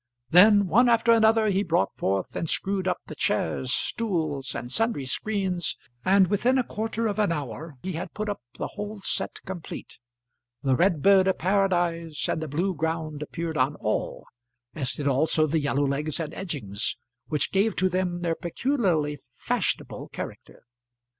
Then, one after another, he brought forth and screwed up the chairs, stools, and sundry screens, and within a quarter of an hour he had put up the whole set complete. The red bird of paradise and the blue ground appeared on all, as did also the yellow legs and edgings which gave to them their peculiarly fashionable character.